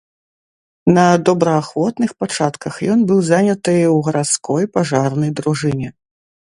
На добраахвотных пачатках ён быў заняты ў гарадской пажарнай дружыне.